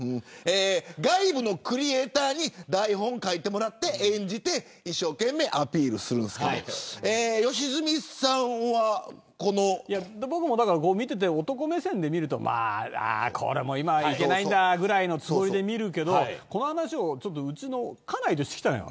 外部のクリエイターに台本を書いてもらって演じて一生懸命アピールするんですけど僕も見ていて男目線で見るとこれも今はいけないんだぐらいのつもりで見るけどこの話をうちの家内としてきたのよ。